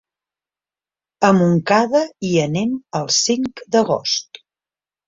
A Montcada hi anem el cinc d'agost.